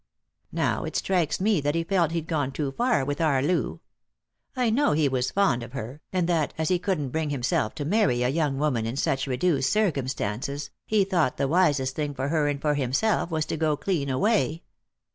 Now, it strikes me that he felt he'd gone too far with our Loo. I know he was fond of her, and that, as he couldn't bring himself to marry a young woman in such reduced circumstances, he thought the wisest thing for her and for himself was to go clean away.